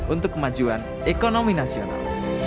untuk kemajuan ekonomi nasional